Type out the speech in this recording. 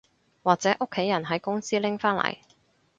或者屋企人喺公司拎返嚟